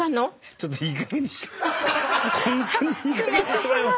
ちょっといいかげんにしてください。